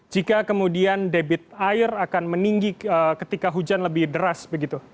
jika kemudian debit air akan meninggi ketika hujan lebih deras begitu